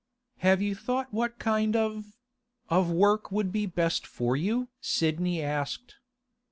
'Have you thought what kind of—of work would be best for you?' Sidney asked.